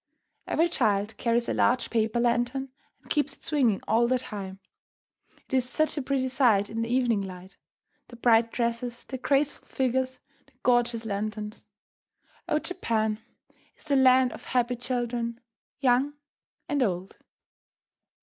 Every child carries a large paper lantern and keeps it swinging all the time. It is such a pretty sight in the evening light, the bright dresses, the graceful figures, the gorgeous lanterns. Oh, Japan is the land of happy children, young and old.